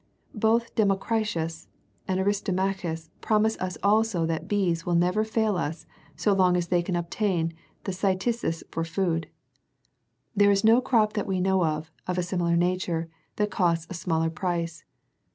Both Democritus and Aristomachus promise us also that bees will never fail us so long as they can obtain the cytisus for food. There is no crop that we know of, of a similar nature, that costs a smaller price.